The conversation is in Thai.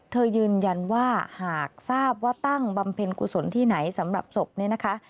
ยืนยันว่าหากทราบว่าตั้งบำเพ็ญกุศลที่ไหนสำหรับศพเนี่ยนะคะ